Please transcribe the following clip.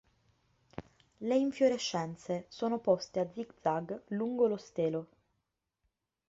Le infiorescenze sono poste a zig zag lungo lo stelo.